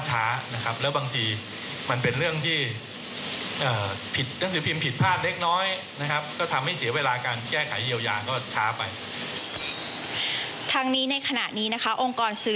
ยาให้แก้ไว้เท่าไหร่เพราะว่าช้าไปทางนี้ในขณะนี้นะคะองค์กรสือ